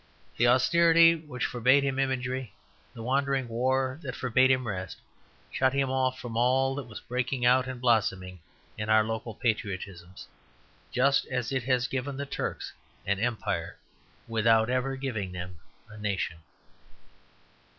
The austerity which forbade him imagery, the wandering war that forbade him rest, shut him off from all that was breaking out and blossoming in our local patriotisms; just as it has given the Turks an empire without ever giving them a nation.